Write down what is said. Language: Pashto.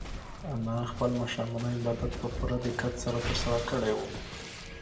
انا خپل ماښامنی عبادت په پوره دقت ترسره کړی و.